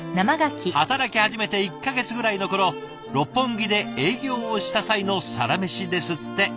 働き始めて１か月ぐらいの頃六本木で営業をした際のサラメシですって。